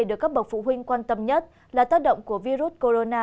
được các bậc phụ huynh quan tâm nhất là tác động của virus corona